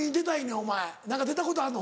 お前何か出たことあんの？